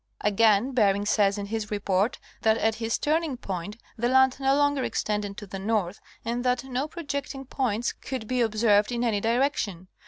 Again Bering says in his Report that at his turning point the land no longer extended to the north and that no projecting points could be observed in any direction.